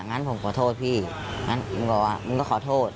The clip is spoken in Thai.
งั้นผมขอโทษพี่งั้นมึงบอกว่ามึงก็ขอโทษ